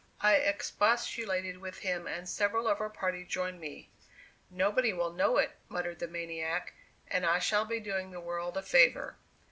I expostulated with him, and several of our party joined me. "Nobody will know it," muttered the maniac, "and I shall be doing the world a favor."